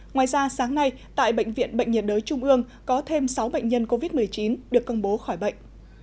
ngoài ra sáng nay tại bệnh viện bệnh nhiệt đới trung ương có thêm sáu bệnh nhân covid một mươi chín được công bố khỏi bệnh